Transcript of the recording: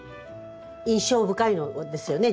印象深いのですよね